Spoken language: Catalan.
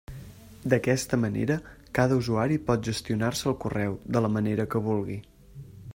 D'aquesta manera, cada usuari pot gestionar-se el correu de la manera que vulgui.